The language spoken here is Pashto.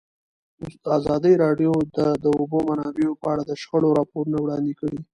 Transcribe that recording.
ازادي راډیو د د اوبو منابع په اړه د شخړو راپورونه وړاندې کړي.